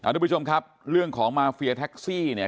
ทุกผู้ชมครับเรื่องของมาเฟียแท็กซี่เนี่ย